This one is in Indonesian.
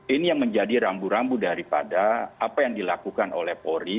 ini yang menjadi rambu rambu daripada apa yang dilakukan oleh polri